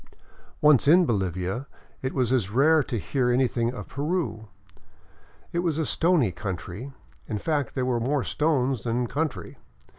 Once in Bolivia it was as rare to hear anything of Peru. It was a stony country, in fact there were more stones than country.